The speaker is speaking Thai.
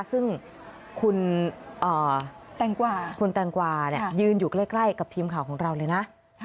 ซึ่งคุณแต่งกวาคุณแต่งกวาเนี่ยยืนอยู่ใกล้กับทีมข่าวของเราเลยนะ